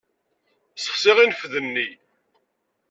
Ssexsiɣ infed-nni.